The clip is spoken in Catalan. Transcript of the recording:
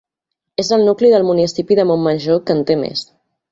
És el nucli del municipi de Montmajor que en té més.